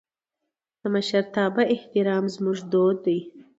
د مشرتابه احترام زموږ دود دی.